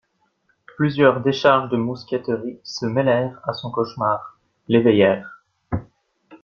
Plusieurs décharges de mousqueterie se mêlèrent à son cauchemar, l'éveillèrent.